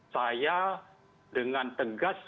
saya dengan tegas